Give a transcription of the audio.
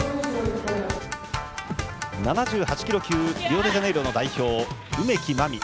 ７８キロ級リオデジャネイロの代表梅木真美。